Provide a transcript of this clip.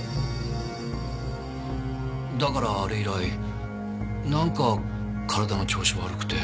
だからあれ以来なんか体の調子悪くて。